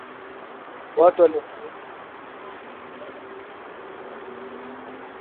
watu walisema virusi vinaweza kuambukiza mashoga na watumiaji wa madawa